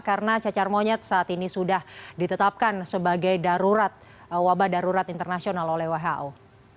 karena cacar monyet saat ini sudah ditetapkan sebagai darurat wabah darurat internasional oleh who